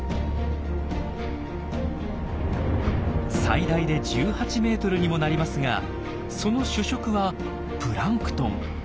最大で１８ｍにもなりますがその主食はプランクトン。